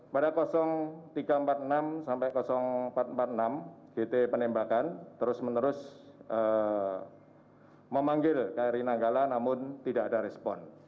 pada tiga ratus empat puluh enam sampai empat ratus empat puluh enam gt penembakan terus menerus memanggil kri nanggala namun tidak ada respon